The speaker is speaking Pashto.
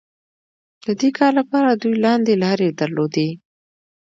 د دې کار لپاره دوی لاندې لارې درلودې.